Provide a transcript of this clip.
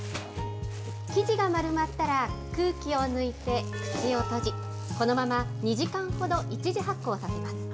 生地が丸まったら空気を抜いて口を閉じ、このまま２時間ほど１次発酵させます。